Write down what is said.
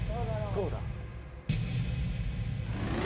どうだ？